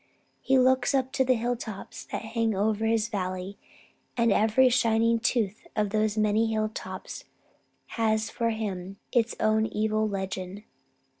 He looks up to the hill tops that hang over his valley, and every shining tooth of those many hill tops has for him its own evil legend.